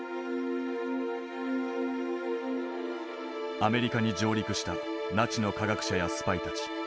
アメリカに上陸したナチの科学者やスパイたち。